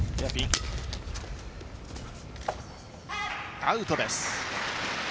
アウトです。